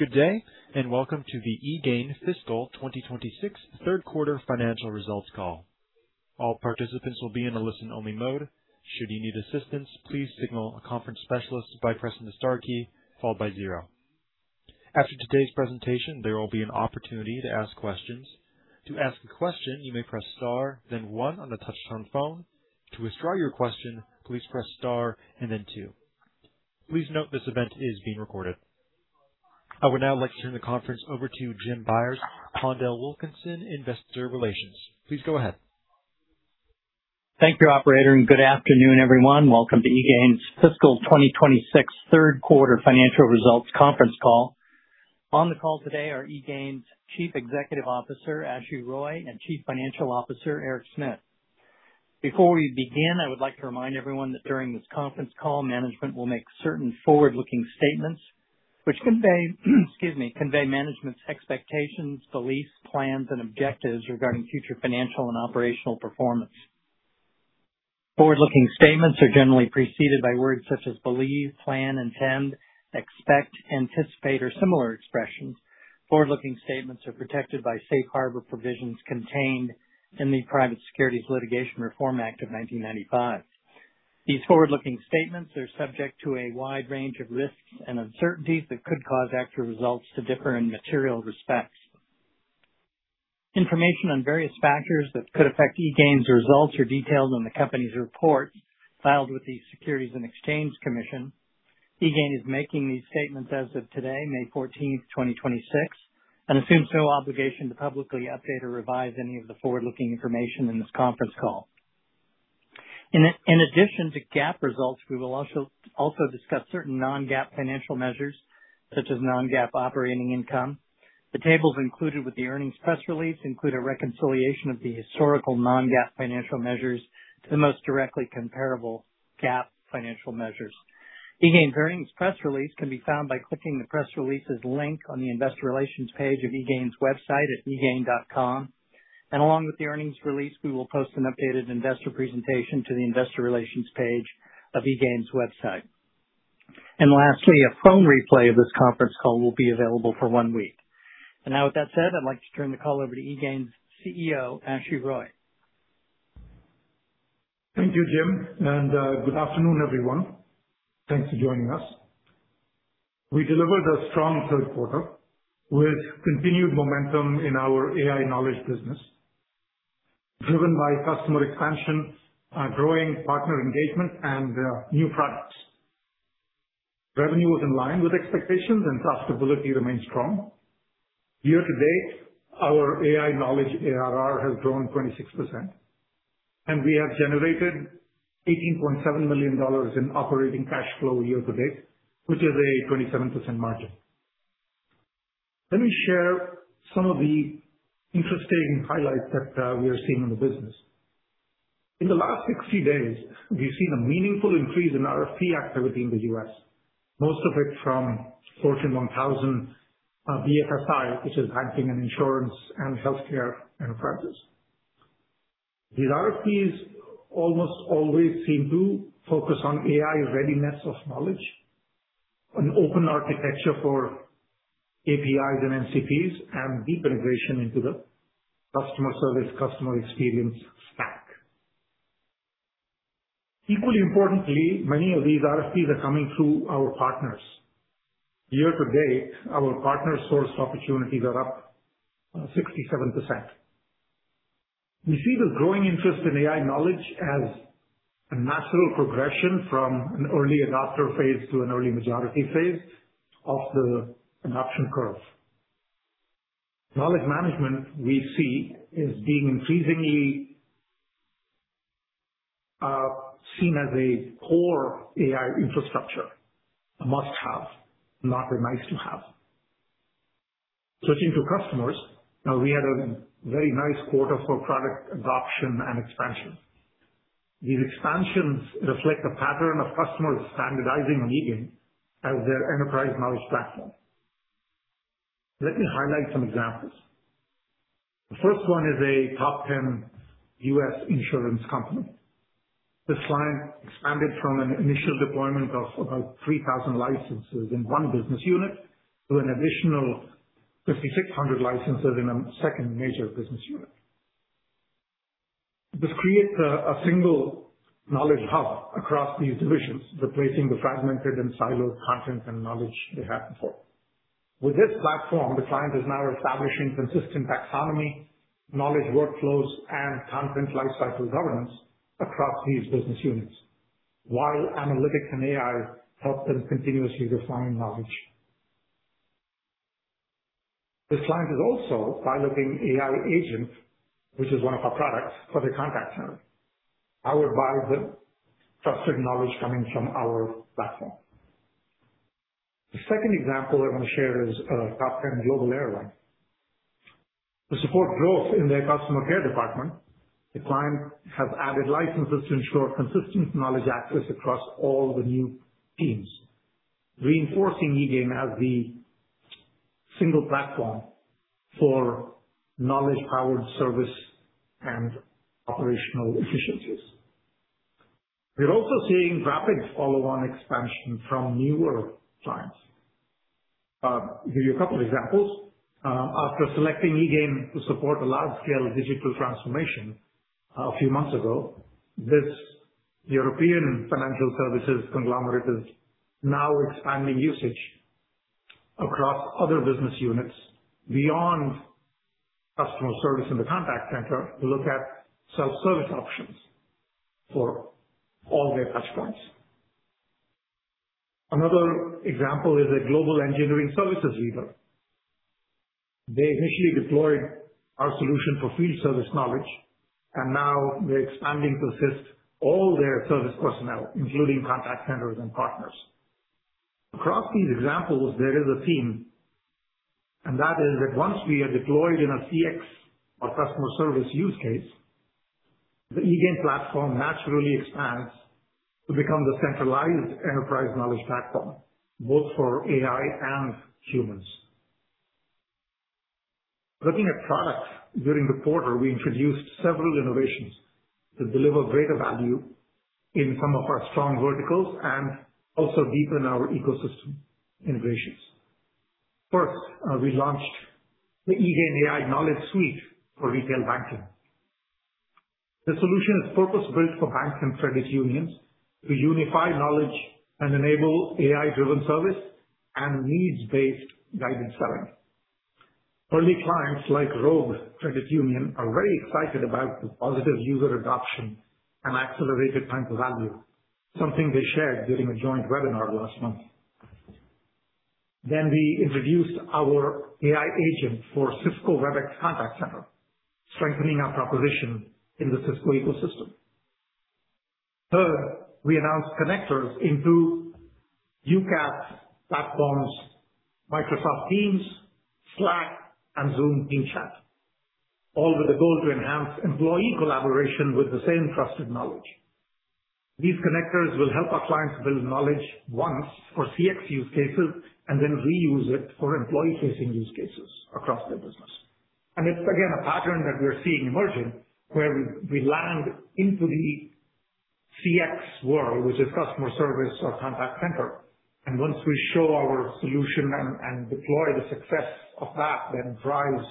Good day, and welcome to the eGain fiscal 2026 third quarter financial results call. All participant will be in only listening mode, should you need assistance, please signal a conference specialist by pressing star key followed by zero, after today's presentation there will be an opportunity to ask question. To ask a question you may press star then one on your touchtone phone, to withdraw your question you may press star then two, please note that this event is being recorded. I would now like to turn the conference over to Jim Byers, PondelWilkinson Investor Relations. Please go ahead. Thank you, operator, and good afternoon, everyone. Welcome to eGain's fiscal 2026 third quarter financial results conference call. On the call today are eGain's Chief Executive Officer, Ashu Roy, and Chief Financial Officer, Eric Smit. Before we begin, I would like to remind everyone that during this conference call, management will make certain forward-looking statements which convey, excuse me, convey management's expectations, beliefs, plans, and objectives regarding future financial and operational performance. Forward-looking statements are generally preceded by words such as believe, plan, intend, expect, anticipate, or similar expressions. Forward-looking statements are protected by safe harbor provisions contained in the Private Securities Litigation Reform Act of 1995. These forward-looking statements are subject to a wide range of risks and uncertainties that could cause actual results to differ in material respects. Information on various factors that could affect eGain's results are detailed in the company's report filed with the Securities and Exchange Commission. eGain is making these statements as of today, May 14, 2026, and assumes no obligation to publicly update or revise any of the forward-looking information in this conference call. In addition to GAAP results, we will also discuss certain non-GAAP financial measures, such as non-GAAP operating income. The tables included with the earnings press release include a reconciliation of the historical non-GAAP financial measures to the most directly comparable GAAP financial measures. eGain's earnings press release can be found by clicking the press releases link on the investor relations page of eGain's website at egain.com. Along with the earnings release, we will post an updated investor presentation to the investor relations page of eGain's website. Lastly, a phone replay of this conference call will be available for one week. Now with that said, I'd like to turn the call over to eGain's Chief Executive Officer, Ashu Roy. Thank you, Jim. Good afternoon, everyone. Thanks for joining us. We delivered a strong third quarter with continued momentum in our AI Knowledge business, driven by customer expansion, growing partner engagement, and new products. Revenue was in line with expectations and profitability remains strong. Year to date, our AI Knowledge ARR has grown 26%, and we have generated $18.7 million in operating cash flow year to date, which is a 27% margin. Let me share some of the interesting highlights that we are seeing in the business. In the last 60 days, we've seen a meaningful increase in RFP activity in the U.S., most of it from Fortune 1,000 BFSI, which is banking and insurance and healthcare enterprises. These RFPs almost always seem to focus on AI readiness of knowledge, an open architecture for APIs and MCPs, and deep integration into the customer service, customer experience stack. Equally importantly, many of these RFPs are coming through our partners. Year to date, our partner-sourced opportunities are up 67%. We see the growing interest in AI Knowledge as a natural progression from an early adopter phase to an early majority phase of the adoption curve. Knowledge management, we see, is being increasingly seen as a core AI infrastructure, a must-have, not a nice-to-have. Switching to customers, now we had a very nice quarter for product adoption and expansion. These expansions reflect a pattern of customers standardizing on eGain as their enterprise knowledge platform. Let me highlight some examples. The first one is a top 10 U.S. insurance company. This client expanded from an initial deployment of about 3,000 licenses in one business unit to an additional 5,600 licenses in a second major business unit. This creates a single knowledge hub across these divisions, replacing the fragmented and siloed content and knowledge they had before. With this platform, the client is now establishing consistent taxonomy, knowledge workflows, and content lifecycle governance across these business units, while analytics and AI help them continuously refine knowledge. This client is also piloting AI Agent, which is one of our products, for their contact center, powered by the trusted knowledge coming from our platform. The second example I want to share is a top 10 global airline. To support growth in their customer care department, the client has added licenses to ensure consistent knowledge access across all the new teams, reinforcing eGain as the single platform for knowledge-powered service and operational efficiencies. We're also seeing rapid follow-on expansion from newer clients. I'll give you two examples. After selecting eGain to support a large-scale digital transformation a few months ago, this European financial services conglomerate is now expanding usage across other business units beyond customer service in the contact center to look at self-service options for all their touchpoints. Another example is a global engineering services leader. They initially deployed our solution for field service knowledge, and now they're expanding to assist all their service personnel, including contact centers and partners. Across these examples, there is a theme, and that is that once we are deployed in a CX or customer service use case, the eGain platform naturally expands to become the centralized enterprise knowledge platform, both for AI and humans. Looking at products, during the quarter, we introduced several innovations to deliver greater value in some of our strong verticals and also deepen our ecosystem integrations. First, we launched the eGain AI Knowledge Suite for Retail Banking. The solution is purpose-built for banks and credit unions to unify knowledge and enable AI-driven service and needs-based guided selling. Early clients like Rogue Credit Union are very excited about the positive user adoption and accelerated time to value, something they shared during a joint webinar last month. We introduced our AI Agent for Cisco Webex Contact Center, strengthening our proposition in the Cisco ecosystem. Third, we announced connectors into UCaaS platforms, Microsoft Teams, Slack, and Zoom Team Chat, all with a goal to enhance employee collaboration with the same trusted knowledge. These connectors will help our clients build knowledge once for CX use cases and then reuse it for employee-facing use cases across their business. It's again, a pattern that we are seeing emerging where we land into the CX world, which is customer service or contact center. Once we show our solution and deploy the success of that, then drives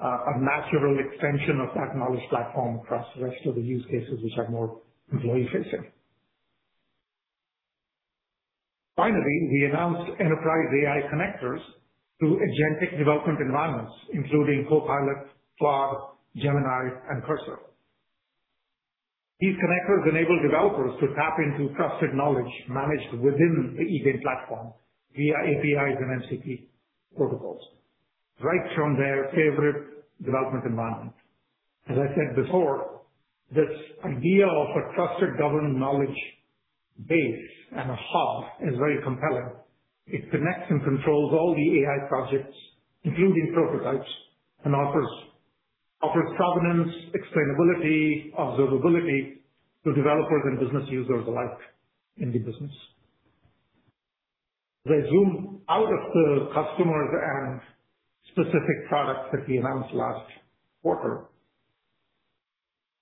a natural extension of that knowledge platform across the rest of the use cases which are more employee-facing. Finally, we announced enterprise AI connectors to agentic development environments, including Copilot, Claude, Gemini, and Cursor. These connectors enable developers to tap into trusted knowledge managed within the eGain platform via APIs and MCP protocols right from their favorite development environment. As I said before, this idea of a trusted governed knowledge base and a hub is very compelling. It connects and controls all the AI projects, including prototypes, and offers governance, explainability, observability to developers and business users alike in the business. As I zoom out of the customers and specific products that we announced last quarter,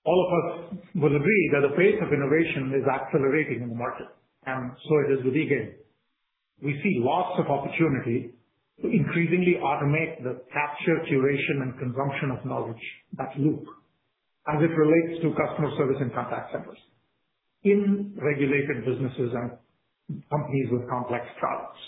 all of us will agree that the pace of innovation is accelerating in the market, and so it is with eGain. We see lots of opportunity to increasingly automate the capture, curation, and consumption of knowledge, that loop, as it relates to customer service and contact centers in regulated businesses and companies with complex products.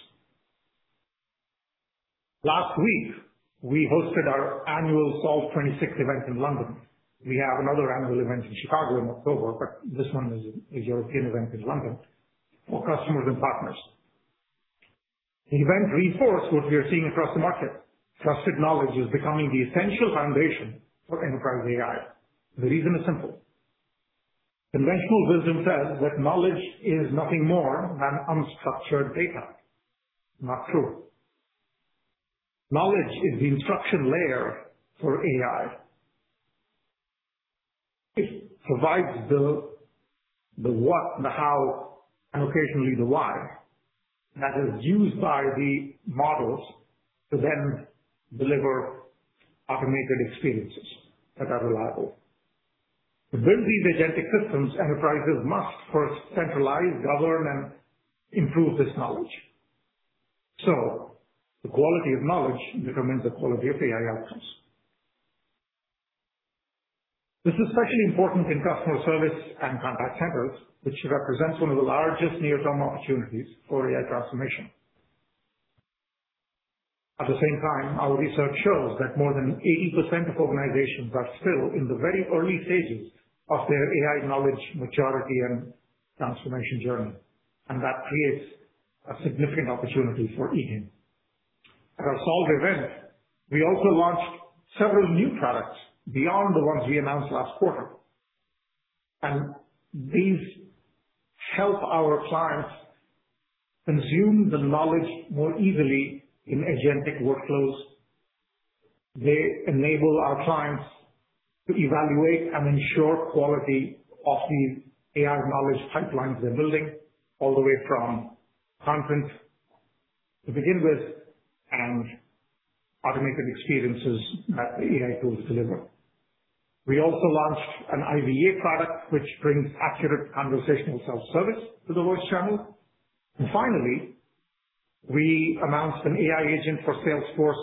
Last week, we hosted our annual Solve 26 event in London. We have another annual event in Chicago in October, this one is a European event in London for customers and partners. The event reinforced what we are seeing across the market. Trusted knowledge is becoming the essential foundation for enterprise AI. The reason is simple. Conventional wisdom says that knowledge is nothing more than unstructured data. Not true. Knowledge is the instruction layer for AI. It provides the what, the how, and occasionally the why, that is used by the models to then deliver automated experiences that are reliable. To build these agentic systems, enterprises must first centralize, govern, and improve this knowledge. The quality of knowledge determines the quality of AI outcomes. This is especially important in customer service and contact centers, which represents one of the largest near-term opportunities for AI transformation. At the same time, our research shows that more than 80% of organizations are still in the very early stages of their AI Knowledge maturity and transformation journey. That creates a significant opportunity for eGain. At our Solve, we also launched several new products beyond the ones we announced last quarter. These help our clients consume the knowledge more easily in agentic workflows. They enable our clients to evaluate and ensure quality of the AI Knowledge pipelines they're building, all the way from content to begin with, automated experiences that the AI tools deliver. We also launched an IVA product which brings accurate conversational self-service to the voice channel. Finally, we announced an AI Agent for Salesforce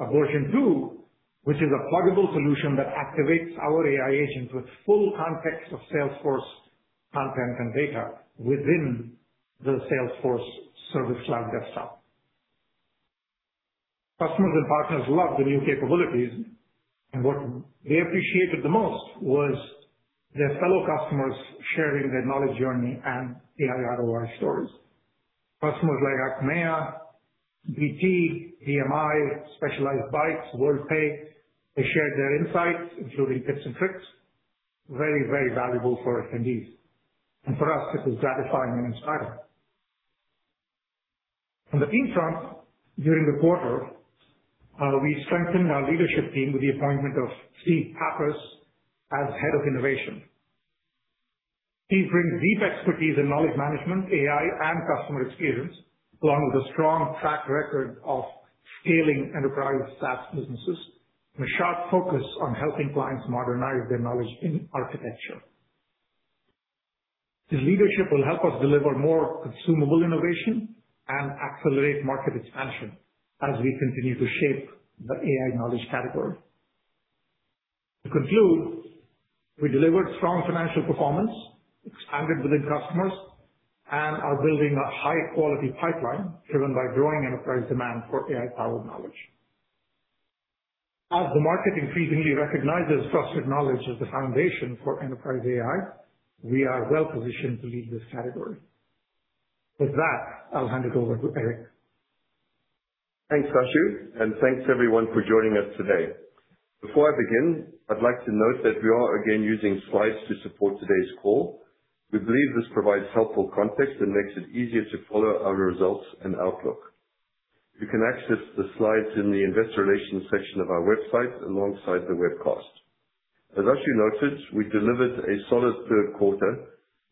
v2, which is a pluggable solution that activates our AI Agents with full context of Salesforce content and data within the Salesforce Service Cloud desktop. Customers and partners love the new capabilities, and what they appreciated the most was their fellow customers sharing their knowledge journey and AI ROI stories. Customers like Acquia, BT, DMI, Specialized Bikes, Worldpay, they shared their insights, including tips and tricks. Very, very valuable for attendees. For us, this is gratifying and inspiring. On the team front, during the quarter, we strengthened our leadership team with the appointment of Steve Pappas as Head of Innovation. Steve brings deep expertise in knowledge management, AI, and customer experience, along with a strong track record of scaling enterprise SaaS businesses, with a sharp focus on helping clients modernize their knowledge in architecture. His leadership will help us deliver more consumable innovation and accelerate market expansion as we continue to shape the AI Knowledge category. To conclude, we delivered strong financial performance, expanded with new customers, and are building a high-quality pipeline driven by growing enterprise demand for AI-powered knowledge. As the market increasingly recognizes trusted knowledge as the foundation for enterprise AI, we are well-positioned to lead this category. With that, I'll hand it over to Eric. Thanks, Ashu, and thanks everyone for joining us today. Before I begin, I'd like to note that we are again using slides to support today's call. We believe this provides helpful context and makes it easier to follow our results and outlook. You can access the slides in the investor relations section of our website alongside the webcast. As Ashu noted, we delivered a solid third quarter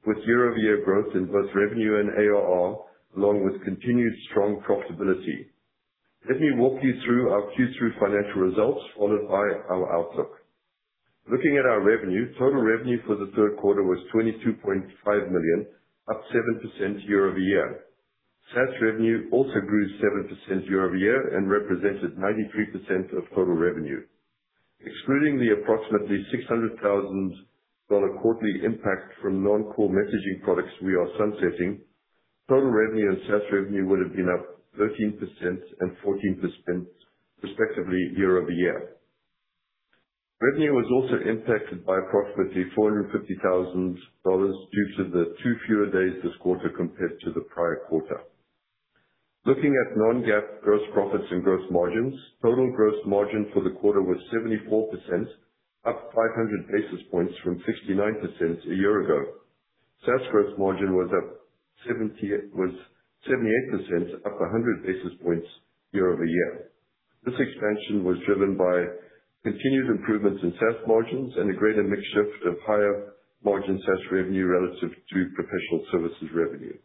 with year-over-year growth in both revenue and ARR, along with continued strong profitability. Let me walk you through our Q3 financial results, followed by our outlook. Looking at our revenue, total revenue for the third quarter was $22.5 million, up 7% year-over-year. SaaS revenue also grew 7% year-over-year and represented 93% of total revenue. Excluding the approximately $600,000 quarterly impact from non-core messaging products we are sunsetting, total revenue and SaaS revenue would have been up 13% and 14% respectively year-over-year. Revenue was also impacted by approximately $450,000 due to the two fewer days this quarter compared to the prior quarter. Looking at non-GAAP gross profits and gross margins, total gross margin for the quarter was 74%, up 500 basis points from 69% a year ago. SaaS gross margin was 78%, up 100 basis points year-over-year. This expansion was driven by continued improvements in SaaS margins and a greater mix shift of higher margin SaaS revenue relative to professional services revenue.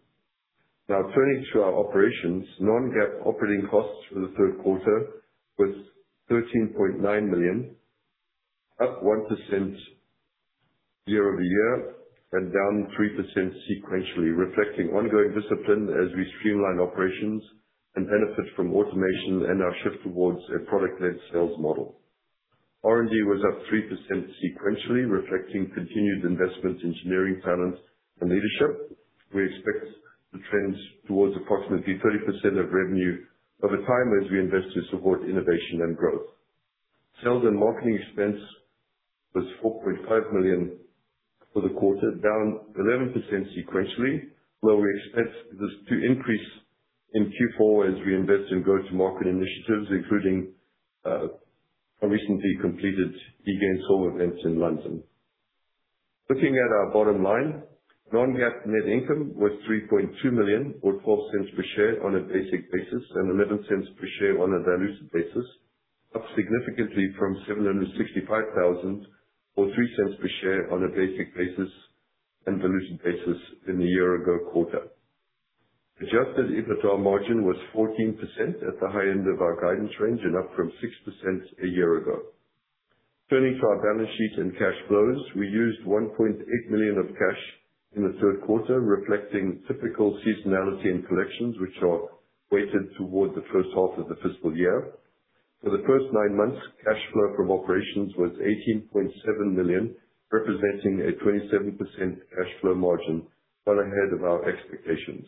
Turning to our operations. Non-GAAP operating costs for the third quarter was $13.9 million, up 1% year-over-year and down 3% sequentially, reflecting ongoing discipline as we streamline operations and benefit from automation and our shift towards a product-led sales model. R&D was up 3% sequentially, reflecting continued investments in engineering talent and leadership. We expect the trends towards approximately 30% of revenue over time as we invest to support innovation and growth. Sales and marketing expense was $4.5 million for the quarter, down 11% sequentially, where we expect this to increase in Q4 as we invest in go-to-market initiatives, including a recently completed Solve events in London. Looking at our bottom line, non-GAAP net income was $3.2 million or $0.04 per share on a basic basis and $0.11 per share on a dilutive basis, up significantly from $765,000 or $0.03 per share on a basic basis and dilutive basis in the year-ago quarter. Adjusted EBITDA margin was 14% at the high end of our guidance range and up from 6% a year ago. Turning to our balance sheet and cash flows. We used $1.8 million of cash in the third quarter, reflecting typical seasonality and collections, which are weighted toward the first half of the fiscal year. For the first nine months, cash flow from operations was $18.7 million, representing a 27% cash flow margin well ahead of our expectations.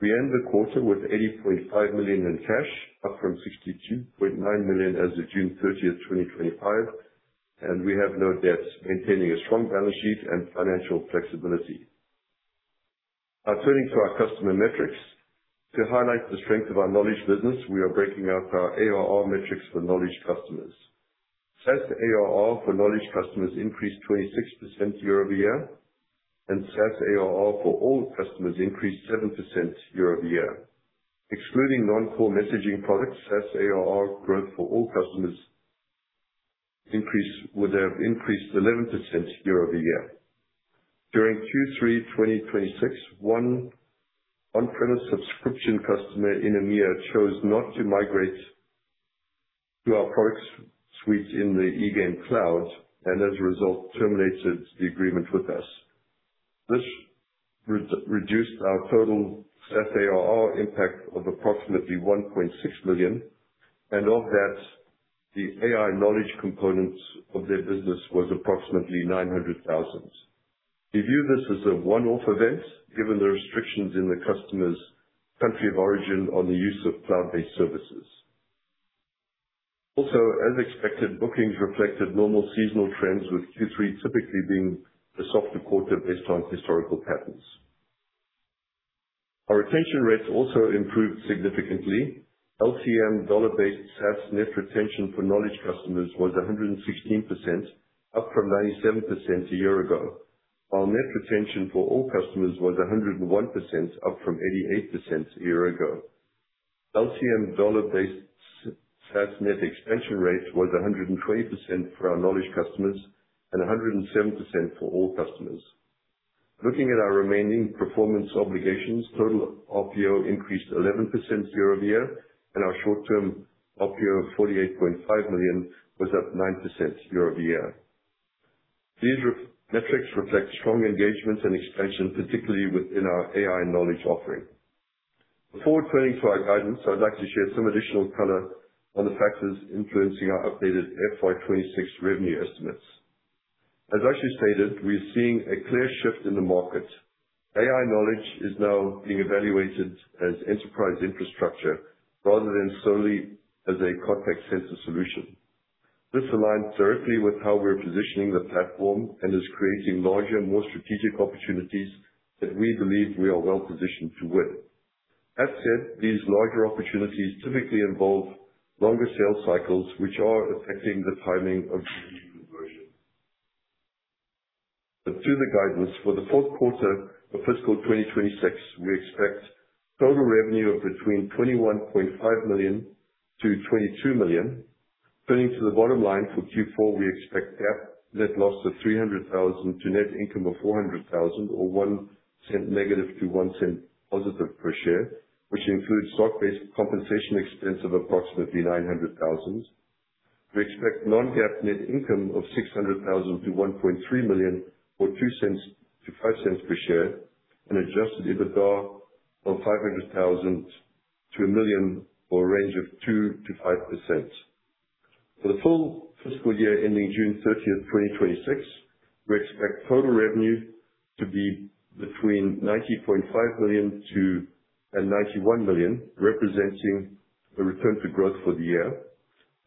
We end the quarter with $80.5 million in cash, up from $62.9 million as of June 30, 2025. We have no debts, maintaining a strong balance sheet and financial flexibility. Turning to our customer metrics. To highlight the strength of our knowledge business, we are breaking out our ARR metrics for knowledge customers. SaaS ARR for knowledge customers increased 26% year-over-year. SaaS ARR for all customers increased 7% year-over-year. Excluding non-core messaging products, SaaS ARR growth for all customers would have increased 11% year-over-year. During Q3 2026, one on-premise subscription customer in EMEA chose not to migrate to our product suite in the eGain Cloud. As a result, terminated the agreement with us. This reduced our total SaaS ARR impact of approximately $1.6 million, and of that, the AI Knowledge components of their business was approximately $900,000. We view this as a one-off event, given the restrictions in the customer's country of origin on the use of cloud-based services. As expected, bookings reflected normal seasonal trends, with Q3 typically being the softer quarter based on historical patterns. Our retention rates improved significantly. LTM dollar-based SaaS net retention for Knowledge customers was 116%, up from 97% a year ago. Our net retention for all customers was 101%, up from 88% a year ago. LTM dollar-based SaaS net expansion rate was 120% for our Knowledge customers and 107% for all customers. Looking at our remaining performance obligations, total RPO increased 11% year-over-year, and our short-term RPO of $48.5 million was up 9% year-over-year. These metrics reflect strong engagement and expansion, particularly within our AI Knowledge offering. Before turning to our guidance, I'd like to share some additional color on the factors influencing our updated FY 2026 revenue estimates. As Ashu stated, we're seeing a clear shift in the market. AI Knowledge is now being evaluated as enterprise infrastructure rather than solely as a contact center solution. This aligns directly with how we're positioning the platform and is creating larger and more strategic opportunities that we believe we are well positioned to win. That said, these larger opportunities typically involve longer sales cycles, which are affecting the timing of deal conversions. To the guidance, for the fourth quarter of fiscal 2026, we expect total revenue of between $21.5 million-$22 million. Turning to the bottom line, for Q4, we expect GAAP net loss of $300,000 to net income of $400,000 or -$0.01 to $0.01 per share, which includes stock-based compensation expense of approximately $900,000. We expect non-GAAP net income of $600,000 to $1.3 million or $0.02-$0.05 per share, and adjusted EBITDA of $500,000-$1 million or a range of 2%-5%. For the full fiscal year ending June 30, 2026, we expect total revenue to be between $90.5 million-$91 million, representing a return to growth for the year.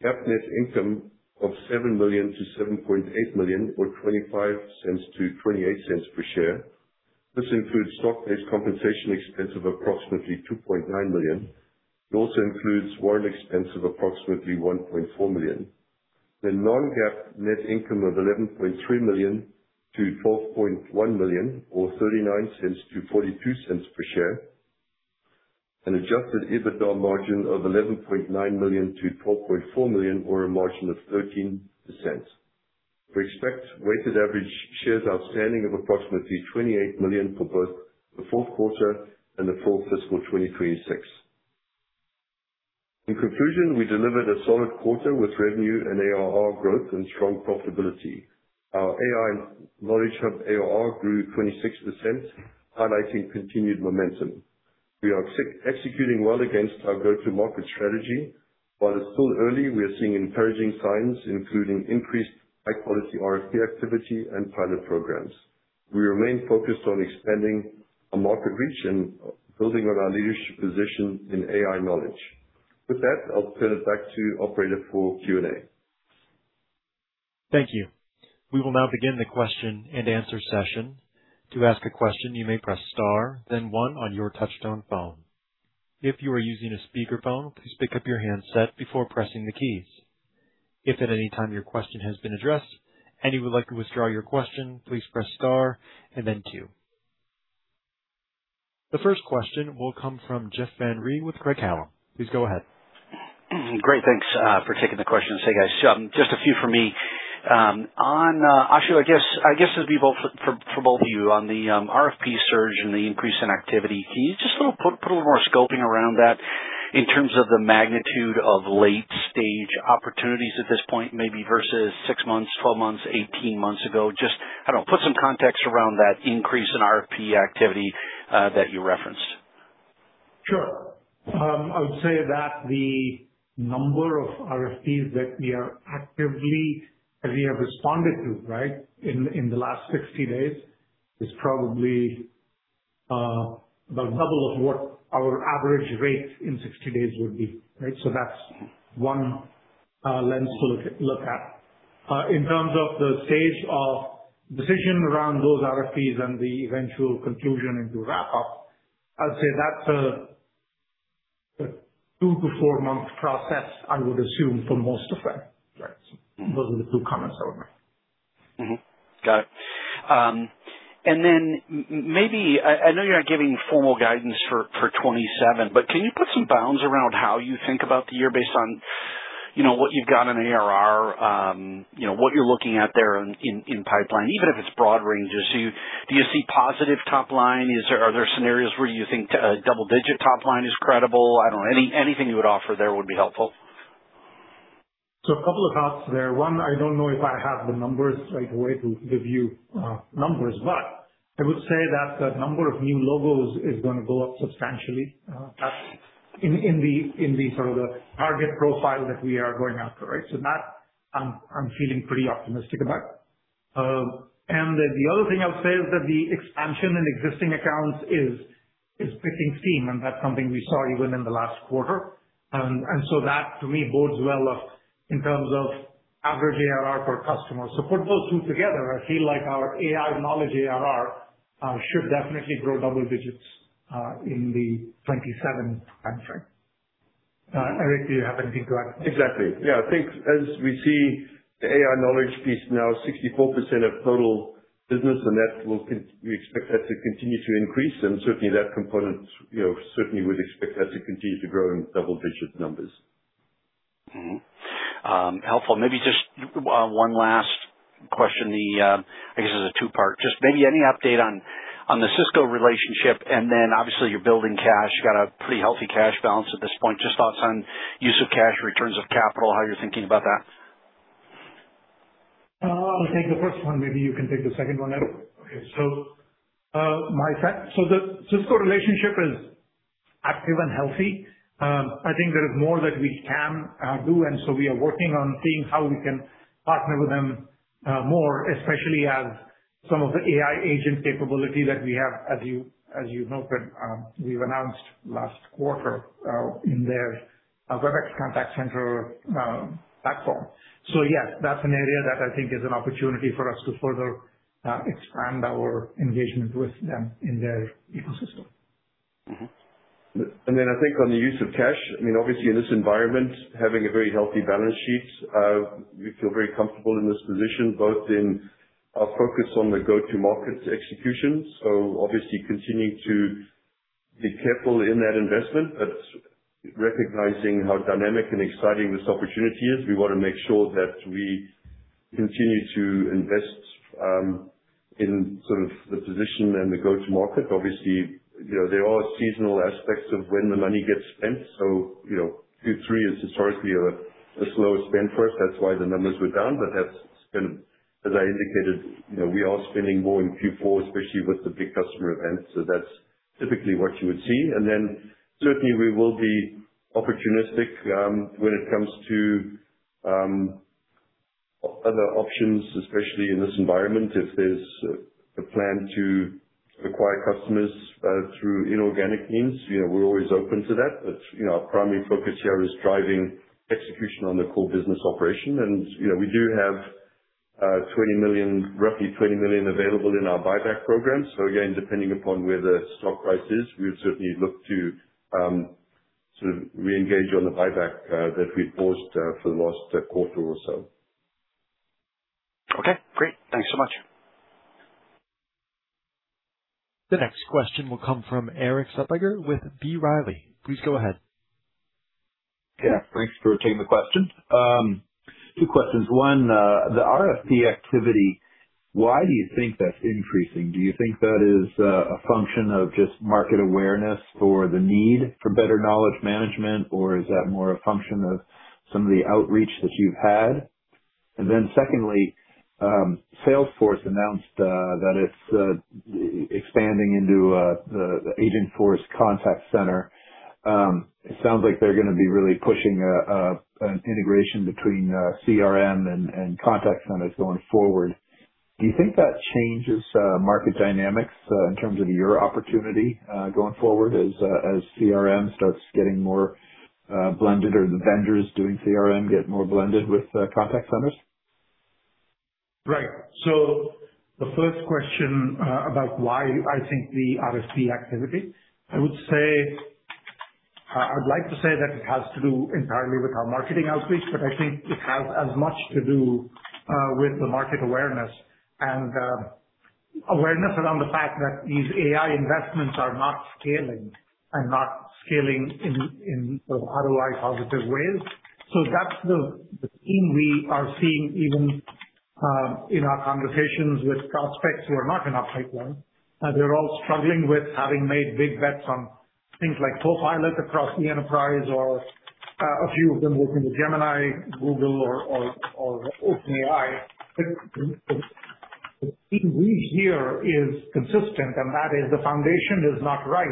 GAAP net income of $7 million-$7.8 million or $0.25-$0.28 per share. This includes stock-based compensation expense of approximately $2.9 million. It also includes warrant expense of approximately $1.4 million. Non-GAAP net income of $11.3 million-$12.1 million or $0.39-$0.42 per share. An adjusted EBITDA margin of $11.9 million-$12.4 million or a margin of 13%. We expect weighted average shares outstanding of approximately $28 million for both the fourth quarter and the full fiscal 2026. In conclusion, we delivered a solid quarter with revenue and ARR growth and strong profitability. Our AI Knowledge Hub ARR grew 26%, highlighting continued momentum. We are executing well against our go-to-market strategy. While it's still early, we are seeing encouraging signs, including increased high quality RFP activity and pilot programs. We remain focused on expanding our market reach and building on our leadership position in AI Knowledge. With that, I'll turn it back to operator for Q&A. Thank you. We will now begin the question-and-answer session. To ask a question, you may press star then one on your touchtone phone. If you are using a speakerphone, please pick up your handset before pressing the keys. If at any time your question has been addressed and you would like to withdraw your question, please press star and then two. The first question will come from Jeff Van Rhee with Craig-Hallum. Please go ahead. Great. Thanks for taking the question. Hey, guys. Just a few from me. On Ashu, I guess this would be for both of you. On the RFP surge and the increase in activity, can you just put a little more scoping around that in terms of the magnitude of late-stage opportunities at this point, maybe versus six months, 12 months, 18 months ago? Just, I don't know, put some context around that increase in RFP activity that you referenced. Sure. I would say that the number of RFPs that we have responded to, right, in the last 60 days is probably about double of what our average rate in 60 days would be, right? That's one lens to look at. In terms of the stage of decision around those RFPs and the eventual conclusion into wrap up, I'd say that's a two to four-month process, I would assume for most of them, right? Those are the two comments I would make. Got it. I know you're not giving formal guidance for 2027, can you put some bounds around how you think about the year based on, you know, what you've got in ARR, you know, what you're looking at there in pipeline, even if it's broad ranges. Do you see positive top line? Are there scenarios where you think double-digit top line is credible? I don't know. Anything you would offer there would be helpful. A couple of thoughts there. One, I don't know if I have the numbers right away to give you numbers, but I would say that the number of new logos is going to go up substantially, that's in the sort of the target profile that we are going after. That I'm feeling pretty optimistic about. The other thing I'll say is that the expansion in existing accounts is picking steam, and that's something we saw even in the last quarter. That to me bodes well in terms of average ARR per customer. Put those two together, I feel like our AI Knowledge ARR should definitely grow double digits in the 2027 timeframe. Eric, do you have anything to add? Exactly. Yeah. I think as we see the AI Knowledge piece now 64% of total business, that will we expect that to continue to increase. Certainly that component, you know, certainly would expect that to continue to grow in double-digit numbers. Helpful. Maybe just one last question. I guess this is a two-part. Just maybe any update on the Cisco relationship, and then obviously you're building cash. You got a pretty healthy cash balance at this point. Just thoughts on use of cash, returns of capital, how you're thinking about that. I'll take the first one, maybe you can take the second one, Eric. Okay. My side. The Cisco relationship is active and healthy. I think there is more that we can do, we are working on seeing how we can partner with them more, especially as some of the AI agent capability that we have, as you noted, we've announced last quarter in their Cisco Webex Contact Center platform. Yes, that's an area that I think is an opportunity for us to further expand our engagement with them in their ecosystem. I think on the use of cash, I mean, obviously in this environment, having a very healthy balance sheet, we feel very comfortable in this position, both in our focus on the go-to-markets execution. Obviously continuing to be careful in that investment, but recognizing how dynamic and exciting this opportunity is, we wanna make sure that we continue to invest in sort of the position and the go-to-market. Obviously, you know, there are seasonal aspects of when the money gets spent. You know, Q3 is historically a slower spend for us. That's why the numbers were down. That's been, as I indicated, you know, we are spending more in Q4, especially with the big customer events. That's typically what you would see. Certainly we will be opportunistic when it comes to other options, especially in this environment. If there's a plan to acquire customers through inorganic means, you know, we're always open to that. You know, our primary focus here is driving execution on the core business operation. You know, we do have $20 million, roughly $20 million available in our buyback program. Again, depending upon where the stock price is, we would certainly look to sort of reengage on the buyback that we paused for the last quarter or so. Okay, great. Thanks so much. The next question will come from Erik Suppiger with B. Riley. Please go ahead. Yeah, thanks for taking the question. Two questions. One, the RFP activity, why do you think that's increasing? Do you think that is a function of just market awareness for the need for better knowledge management, or is that more a function of some of the outreach that you've had? Secondly, Salesforce announced that it's expanding into the Agentforce contact center. It sounds like they're gonna be really pushing an integration between CRM and contact centers going forward. Do you think that changes market dynamics in terms of your opportunity going forward as CRM starts getting more blended or the vendors doing CRM get more blended with contact centers? Right. The first question about why I think the RFP activity, I would say, I'd like to say that it has to do entirely with our marketing outreach, but I think it has as much to do with the market awareness and awareness around the fact that these AI investments are not scaling and not scaling in sort of otherwise positive ways. That's the theme we are seeing even in our conversations with prospects who are not in our pipeline. They're all struggling with having made big bets on things like Copilot across the enterprise or a few of them working with Gemini, Google or OpenAI. The theme we hear is consistent, and that is the foundation is not right.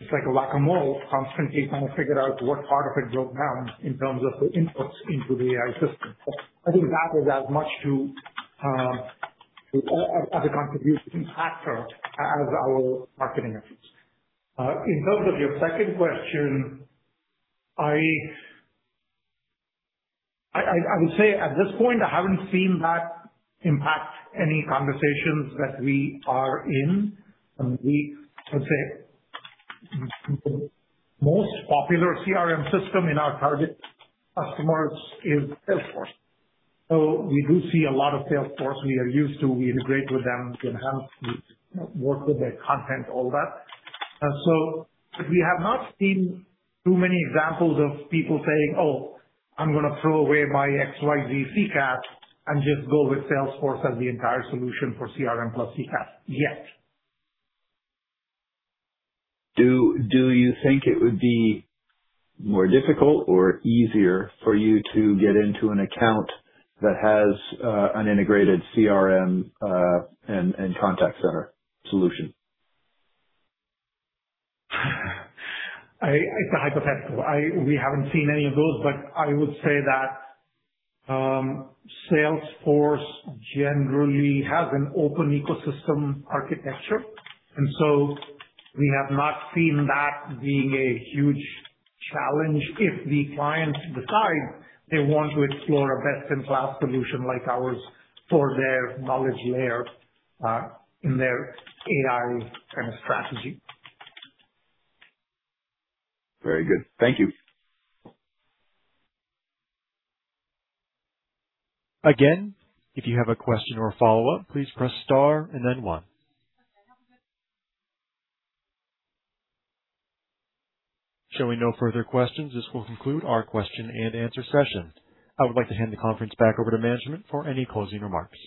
It's like a whack-a-mole constantly trying to figure out what part of it broke down in terms of the inputs into the AI system. I think that is as much as a contributing factor as our marketing efforts. In terms of your second question, I would say at this point, I haven't seen that impact any conversations that we are in. Most popular CRM system in our target customers is Salesforce. We do see a lot of Salesforce. We are used to, we integrate with them, enhance, work with their content, all that. We have not seen too many examples of people saying, "Oh, I'm gonna throw away my XYZ CCaaS and just go with Salesforce as the entire solution for CRM plus CCaaS yet. Do you think it would be more difficult or easier for you to get into an account that has an integrated CRM and contact center solution? It's a hypothetical. We haven't seen any of those. I would say that Salesforce generally has an open ecosystem architecture. We have not seen that being a huge challenge if the clients decide they want to explore a best-in-class solution like ours for their knowledge layer in their AI kind of strategy. Very good. Thank you. Again, if you have a question or follow-up, please press star and then one. Showing no further questions, this will conclude our question and answer session. I would like to hand the conference back over to management for any closing remarks.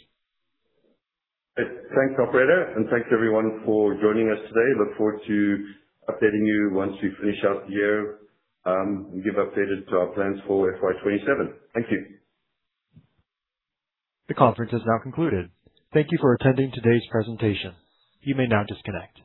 Thanks, operator. Thanks everyone for joining us today. Look forward to updating you once we finish out the year and give updated to our plans for FY 2027. Thank you. The conference has now concluded. Thank you for attending today's presentation. You may now disconnect.